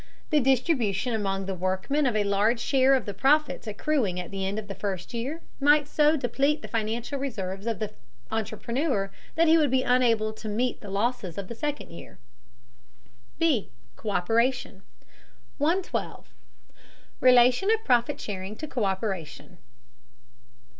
The distribution among the workmen of a large share of the profits accruing at the end of the first year might so deplete the financial reserves of the entrepreneur that he would be unable to meet the losses of the second year. B. COÍPERATION 112. RELATION OF PROFIT SHARING TO COÍPERATION.